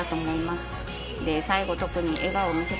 最後特に。